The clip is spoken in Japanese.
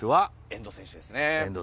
遠藤選手です。